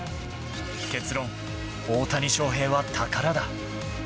結論、大谷翔平は宝だ。